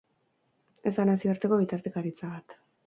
Ez da nazioarteko bitartekaritza bat.